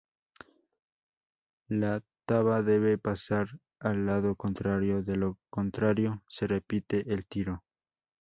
La taba debe pasar al lado contrario, de lo contrario se repite el tiro.